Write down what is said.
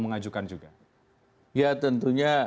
mengajukan juga ya tentunya